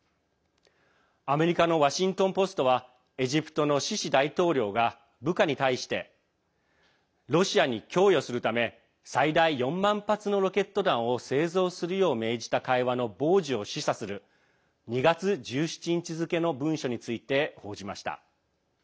アメリカのワシントン・ポストはエジプトのシシ大統領が部下に対してロシアに供与するため最大４万発のロケット弾を製造するよう命じた会話の傍受を示唆する２月１７日付の文書について報じました。